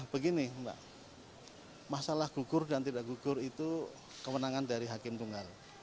begini mbak masalah gugur dan tidak gugur itu kewenangan dari hakim tunggal